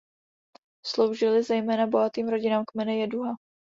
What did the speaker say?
Sloužily zejména bohatým rodinám kmene Jehuda.